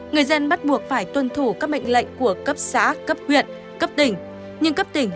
người dân bắt buộc phải tuân thủ các mệnh lệnh của cấp xã cấp huyện cấp tỉnh